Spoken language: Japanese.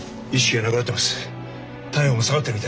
体温が下がってるみたいだし。